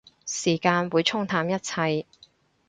時間會沖淡一切